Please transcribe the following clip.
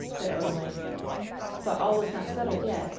said Odalite. "But all was not settled yet!